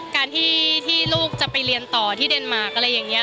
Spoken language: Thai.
การที่ลูกจะไปเรียนต่อที่เดนมาร์คอะไรอย่างนี้